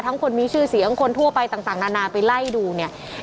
คนมีชื่อเสียงคนทั่วไปต่างนานาไปไล่ดูเนี่ย